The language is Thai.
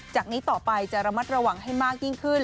จากนี้ต่อไปจะระมัดระวังให้มากยิ่งขึ้น